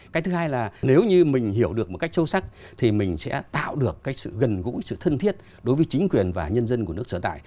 cái thứ hai là nếu như mình hiểu được một cách sâu sắc thì mình sẽ tạo được cái sự gần gũi sự thân thiết đối với chính quyền và nhân dân của nước sở tại